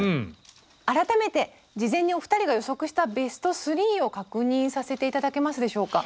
改めて事前にお二人が予測したベスト３を確認させて頂けますでしょうか。